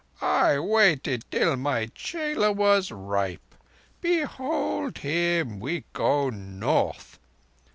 I waited till my chela was ripe. Behold him! We go North.